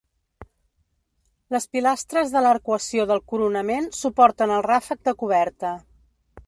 Les pilastres de l'arcuació del coronament suporten el ràfec de coberta.